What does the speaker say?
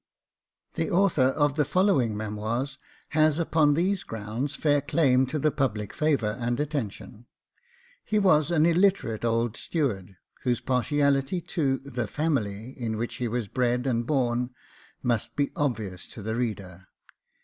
The author of the following Memoirs has upon these grounds fair claims to the public favour and attention; he was an illiterate old steward, whose partiality to THE FAMILY, in which he was bred and born, must be obvious to the reader.